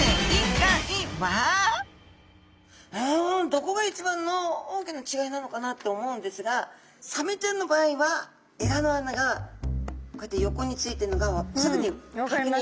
どこが一番の大きな違いなのかなって思うんですがサメちゃんの場合はエラの穴がこうやって横についているのがすぐにかくにんできます。